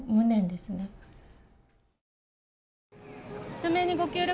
署名にご協力